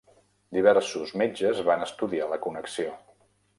Diversos metges van estudiar la connexió.